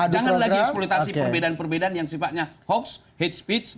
jangan lagi eksploitasi perbedaan perbedaan yang sifatnya hoax hate speech